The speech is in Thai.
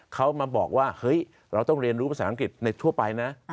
เขามาบอกว่าเฮ้ยเราต้องเรียนรู้ภาษาอังกฤษในทั่วไปนะ